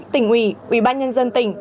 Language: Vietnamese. tỉnh ủy ủy ban nhân dân tỉnh